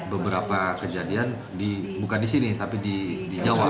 beberapa kejadian bukan di sini tapi di jawa